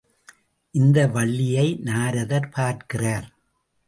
இந்த வள்ளியை நாரதர் பார்க்கிறார்.